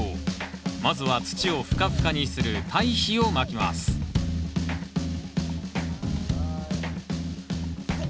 まずは土をふかふかにする堆肥をまきますはい。